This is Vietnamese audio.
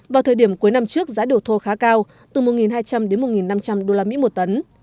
vào thời điểm cuối năm trước giá điều thô khá cao từ một hai trăm linh đến một năm trăm linh usd một tấn